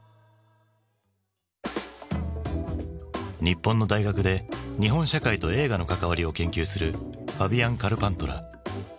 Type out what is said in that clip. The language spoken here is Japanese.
日本の大学で日本社会と映画の関わりを研究するファビアン・カルパントラ。